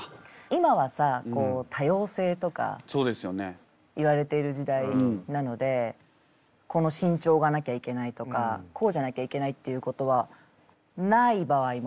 今はさ多様性とかいわれている時代なのでこの身長がなきゃいけないとかこうじゃなきゃいけないっていうことはない場合もあるんですよ。